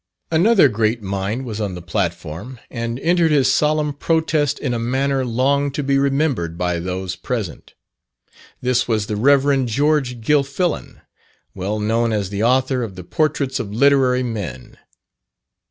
Another great mind was on the platform, and entered his solemn protest in a manner long to be remembered by those present. This was the Rev. George Gilfillan, well known as the author of the "Portraits of Literary Men."